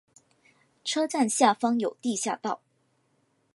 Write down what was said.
车站下方有地下道。